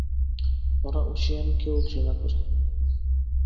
ওরা ঊশিয়ানকে ও ঘৃণা করে।